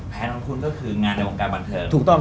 แผนของคุณก็คืองานในวงการบันเทิง